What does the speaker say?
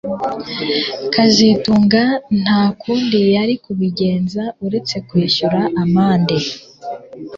kazitunga nta kundi yari kubigenza uretse kwishyura amande